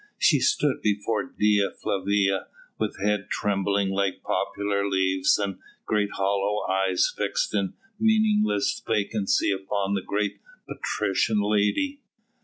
She stood before Dea Flavia, with head trembling like poplar leaves and great hollow eyes fixed in meaningless vacancy upon the great patrician lady.